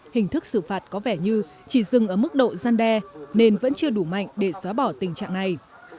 hình thức xử phạt có vẻ như chỉ dừng ở mức độ gian đe nên vẫn chưa đủ mạnh để xóa bỏ tình trạng này